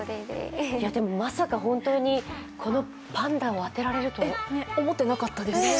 でもまさか本当にこのパンダを当てられると思ってなかったです。